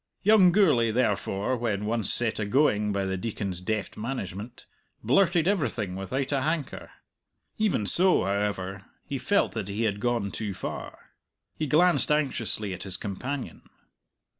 Young Gourlay, therefore, when once set agoing by the Deacon's deft management, blurted everything without a hanker. Even so, however, he felt that he had gone too far. He glanced anxiously at his companion.